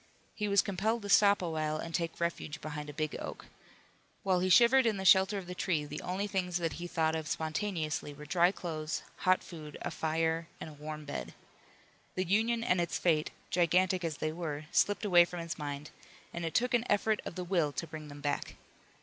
He was compelled to stop a while and take refuge behind a big oak. While he shivered in the shelter of the tree the only things that he thought of spontaneously were dry clothes, hot food, a fire and a warm bed. The Union and its fate, gigantic as they were, slipped away from his mind, and it took an effort of the will to bring them back.